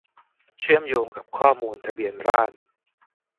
เชื่อมโยงกับข้อมูลทะเบียนราษฎร์